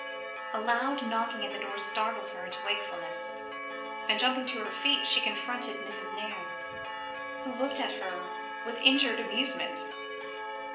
A loud knocking at the door startled her into wakefulness, and jumping to her feet, she confronted Mrs. Nairne, who looked at her with injured amusement.